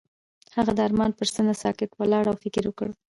هغه د آرمان پر څنډه ساکت ولاړ او فکر وکړ.